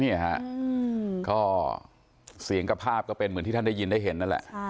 เนี่ยฮะก็เสียงกับภาพก็เป็นเหมือนที่ท่านได้ยินได้เห็นนั่นแหละ